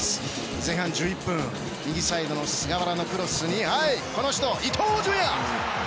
前半１１分、右サイド菅原のクロスに伊東純也！